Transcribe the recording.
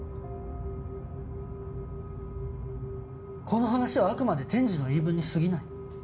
この話はあくまで天智の言い分にすぎない。